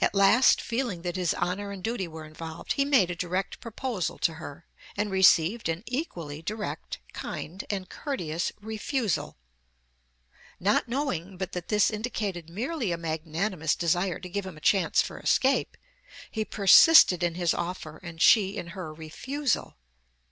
At last, feeling that his honor and duty were involved, he made a direct proposal to her, and received an equally direct, kind, and courteous refusal. Not knowing but that this indicated merely a magnanimous desire to give him a chance for escape, he persisted in his offer, and she in her refusal.